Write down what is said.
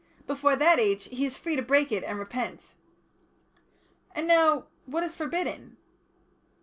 Before that age he is free to break it and repent." "And now, what is forbidden?"